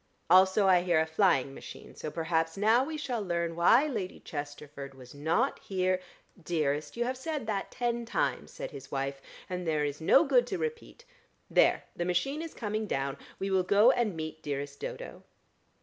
Also I hear a flying machine, so perhaps now we shall learn why Lady Chesterford was not here " "Dearest, you have said that ten times," said his wife, "and there is no good to repeat. There! The machine is coming down. We will go and meet dearest Dodo."